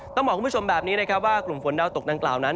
ต้องบอกคุณผู้ชมแบบนี้นะครับว่ากลุ่มฝนดาวตกดังกล่าวนั้น